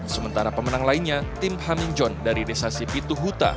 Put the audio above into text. sementara pemenang lainnya tim haminjon dari desa sipitu huta